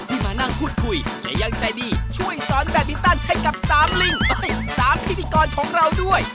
มานั่งพูดคุยและยังใจดีช่วยสอนแบตมินตันให้กับ๓ลิง๓พิธีกรของเราด้วย